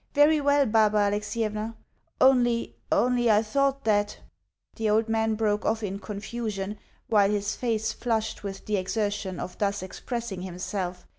"Very well, Barbara Alexievna. Only only, I thought that " The old man broke off in confusion, while his face flushed with the exertion of thus expressing himself.